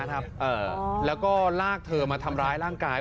แล้วก็ลากเธอมาทำร้ายร่างกาย